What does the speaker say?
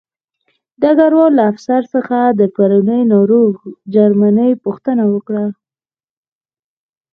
ډګروال له افسر څخه د پرونۍ ناروغ جرمني پوښتنه وکړه